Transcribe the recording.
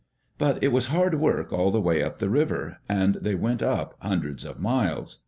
But it was hard work all the way up the river, and they went up hundreds of miles.